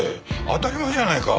当たり前じゃないか。